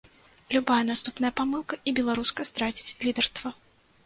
Любая наступная памылка, і беларуска страціць лідарства.